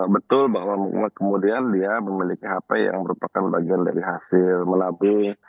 betul bahwa kemudian dia memiliki hp yang merupakan bagian dari hasil menabung